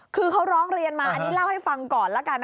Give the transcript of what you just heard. คือเขาร้องเรียนมาอันนี้เล่าให้ฟังก่อนแล้วกัน